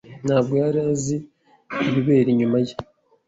Ntabwo yari azi ibibera inyuma ye.